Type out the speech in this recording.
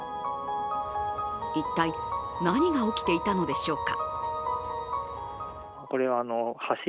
一体、何が起きていたのでしょうか